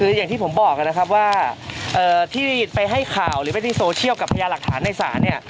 คืออย่างที่ผมบอกนะครับว่าที่ไปให้ข่าวหรือไปในโซเชียลกับพญาหลักฐานในศาลเนี่ย